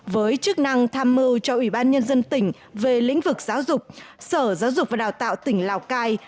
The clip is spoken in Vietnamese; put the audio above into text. với chức năng tham mưu cho ủy ban nhân dân tỉnh về lĩnh vực giáo dục sở giáo dục và đào tạo tỉnh lào cai